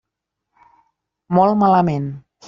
Molt malament.